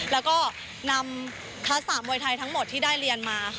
แล้วก็นำทัศะมวยไทยทั้งหมดที่ได้เรียนมาค่ะ